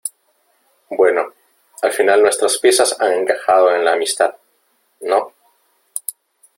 bueno , al final nuestras piezas han encajado en la amistad ,¿ no ?